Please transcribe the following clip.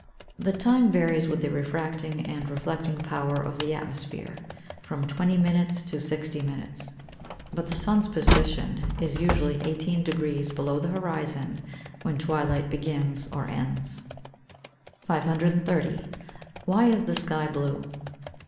_ The time varies with the refracting and reflecting power of the atmosphere, from twenty minutes to sixty minutes. But the sun's position is usually eighteen degrees below the horizon when twilight begins or ends. 530. _Why is the sky blue?